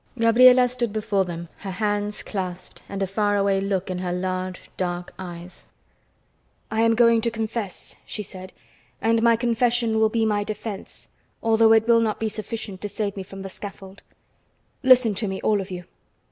Gabriela stood before them, her hands clasped and a far away look in her large, dark eyes. "I am going to confess," she said, "and my confession will be my defense, although it will not be sufficient to save me from the scaffold. Listen to me, all of you!